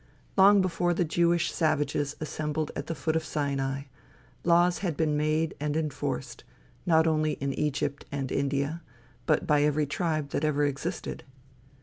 Long before the Jewish savages assembled at the foot of Sinai, laws had been made and enforced, not only in Egypt and India, but by every tribe that ever existed.